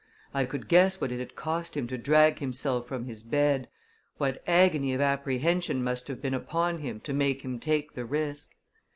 I could guess what it had cost him to drag himself from his bed, what agony of apprehension must have been upon him to make him take the risk.